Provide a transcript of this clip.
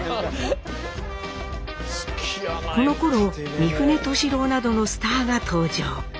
このころ三船敏郎などのスターが登場。